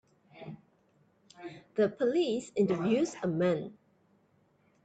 The police interviews a man.